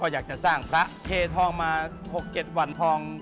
อย่างเช่น